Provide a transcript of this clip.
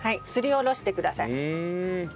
すりおろしてください。